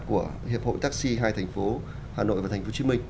của hiệp hội taxi hai thành phố hà nội và thành phố hồ chí minh